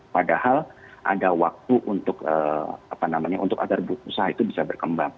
padahal ada waktu untuk agar usaha itu bisa berkembang